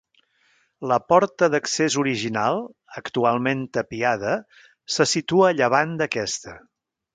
La porta d'accés original, actualment tapiada, se situa a llevant d'aquesta.